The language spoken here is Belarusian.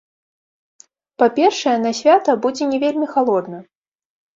Па-першае, на свята будзе не вельмі халодна.